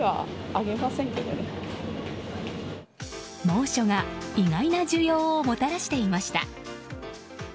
猛暑が意外な需要をもたらしていました。